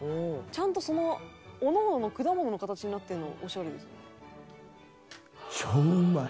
「ちゃんとそのおのおのの果物の形になってるのオシャレですね」